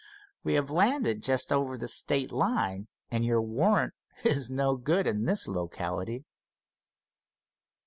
"We have landed just over the state line and your warrant is no good in this locality."